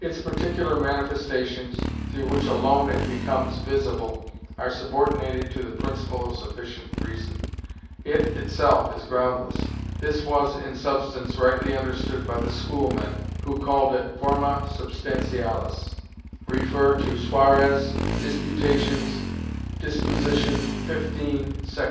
Its particular manifestations, through which alone it becomes visible, are subordinated to the principle of sufficient reason; it itself is groundless. This was in substance rightly understood by the schoolmen, who called it forma substantialis. (Cf. Suarez, Disput. Metaph., disp. xv. sect.